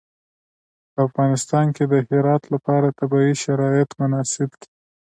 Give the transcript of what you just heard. په افغانستان کې د هرات لپاره طبیعي شرایط مناسب دي.